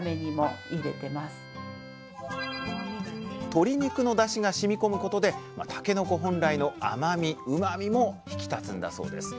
鶏肉のだしがしみこむことでたけのこ本来の甘みうまみも引き立つんだそうです。